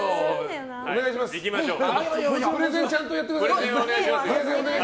プレゼンちゃんとやってくださいよ。